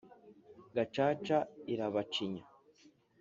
gacaca Irabacinya